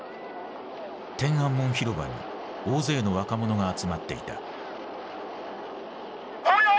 天安門広場に大勢の若者が集まっていた。